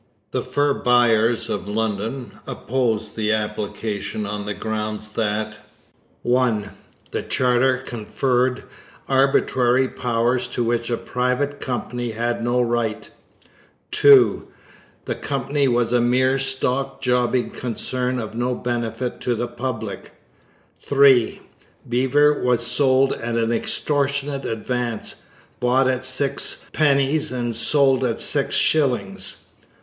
The fur buyers of London opposed the application on the grounds that: (1) The charter conferred arbitrary powers to which a private company had no right; (2) The Company was a mere stock jobbing concern of no benefit to the public; (3) Beaver was sold at an extortionate advance; bought at 6d. and sold for 6s.